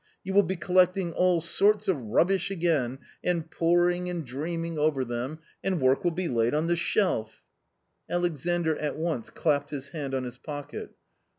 You will be col lecting all sorts of rubbish again and poring and dreaming over them, and work will be laid on the shelf." Alexandr at once clapped his hand on his pocket.